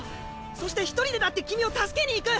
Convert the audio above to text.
そして一人でだって君を助けに行く！